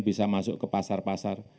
bisa masuk ke pasar pasar